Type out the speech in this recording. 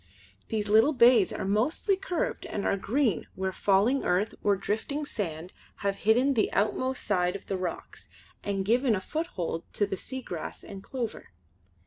These little bays are mostly curved and are green where falling earth or drifting sand have hidden the outmost side of the rocks and given a foothold to the seagrass and clover.